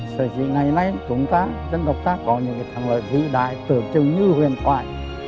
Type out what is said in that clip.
sở dĩ ngày nay chúng ta dân tộc ta có những thắng lợi vĩ đại tưởng chừng như huyền thoại